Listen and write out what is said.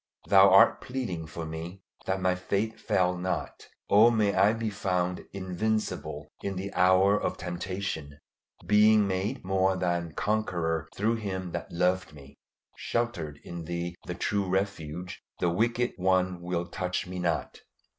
Thou art pleading for me, that my faith fail not! Oh may I be found invincible in the hour of temptation, being made more than conqueror through Him that loved me. Sheltered in Thee the true Refuge, the wicked one will touch me not.